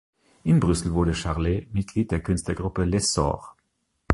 In Brüssel wurde Charlet Mitglied der Künstlergruppe „L’Essor“.